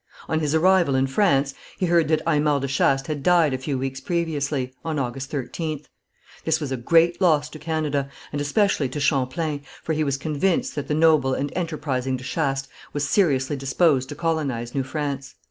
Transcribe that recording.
On his arrival in France, he heard that Aymar de Chastes had died a few weeks previously, on August 13th. This was a great loss to Canada, and especially to Champlain, for he was convinced that the noble and enterprising de Chastes was seriously disposed to colonize New France.